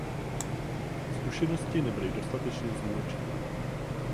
Zkušenosti nebyly dostatečně zúročeny.